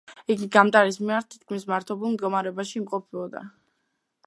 იგი გამტარის მიმართ თითქმის მართობულ მდგომარეობაში იმყოფებოდა.